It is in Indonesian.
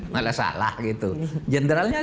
malah salah gitu jenderalnya